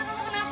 pak mbak mbak